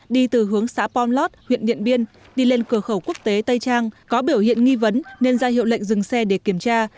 đi từ hướng xã pomlot huyện điện biên đi lên cửa khẩu quốc tế tây trang có biểu hiện nghi vấn nên ra hiệu lệnh dừng xe để kiểm tra